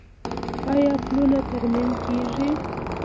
آیا پلونه ترمیم کیږي؟